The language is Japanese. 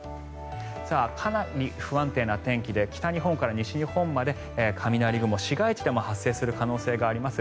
かなり不安定な天気で北日本から西日本まで雷雲、市街地でも発生する可能性があります。